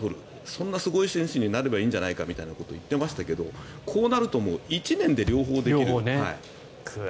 そんなすごい選手になればいいんじゃないかみたいなことを言っていましたけどこうなると１年で両方できる。